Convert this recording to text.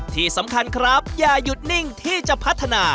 ที่สำคัญครับอย่าหยุดนิ่งที่จะพัฒนา